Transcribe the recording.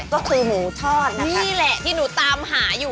ก็คือหมูทอดนะนี่แหละที่หนูตามหาอยู่